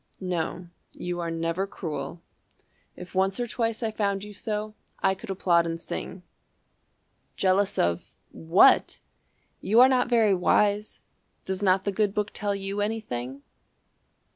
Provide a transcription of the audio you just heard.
"No, you are never cruel. If once or twice I found you so, I could applaud and sing. Jealous of What? You are not very wise. Does not the good Book tell you anything?